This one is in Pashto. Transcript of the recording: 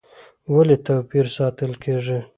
ولې توپیر ساتل کېږي؟